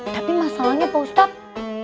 tapi masalahnya pak ustadz